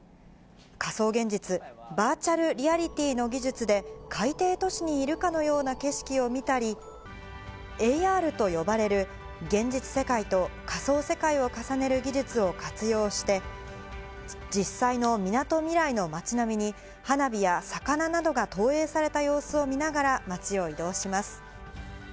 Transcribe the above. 仮想現実・バーチャルリアリティの技術で、海底都市にいるかのような景色を見たり、ＡＲと呼ばれる、現実世界と仮想世界を重ねる技術を活用して、実際のみなとみらいの町並みに、花火や魚などが投影された様子を見ながら街を移動します。